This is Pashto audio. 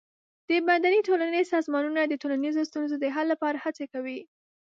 د مدني ټولنې سازمانونه د ټولنیزو ستونزو د حل لپاره هڅه کوي.